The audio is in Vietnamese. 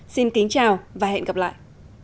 xin kính chào và hẹn gặp lại